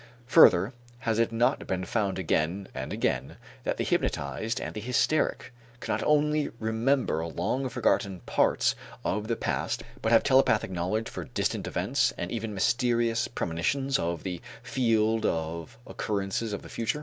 Further, has it not been found again and again that the hypnotized and the hysteric cannot only remember long forgotten parts of the past but have telepathic knowledge for distant events and even mysterious premonitions of the field of occurrences of the future?